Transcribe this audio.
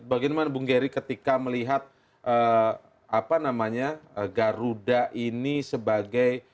bagaimana bung geri ketika melihat garuda ini sebagai